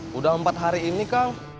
sudah empat hari ini kang